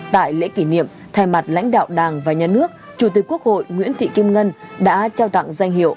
tại lễ kỷ niệm thay mặt lãnh đạo đảng và nhà nước chủ tịch quốc hội nguyễn thị kim ngân đã trao tặng danh hiệu